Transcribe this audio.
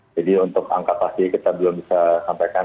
jadi untuk angka pastinya kita belum bisa sampaikan